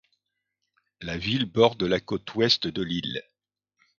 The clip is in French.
La ville borde la côte ouest de l'île.